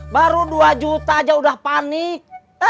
baru dua juta aja udah panik